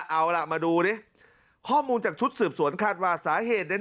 เอาล่ะมาดูนี่ข้อมูลจากชุดศึกษวนคันว่าสาเหตุเนี่ย